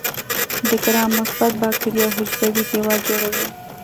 د ګرام مثبت باکتریاوو حجروي دیوال جوړوي.